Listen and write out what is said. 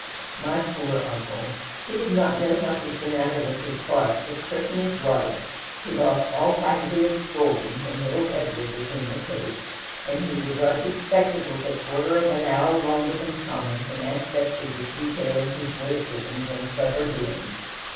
My poor uncle! he did not know what was the matter with his heart, but certain it was, he lost all faculty of scolding when little Edward was in the case, and he would rub his spectacles a quarter of an hour longer than common when Aunt Betsey was detailing his witticisms and clever doings.